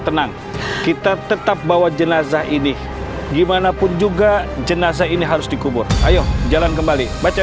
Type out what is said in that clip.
tenang kita tetap bawa jenazah ini dimanapun juga jenazah ini harus dikubur ayo jalan kembali baca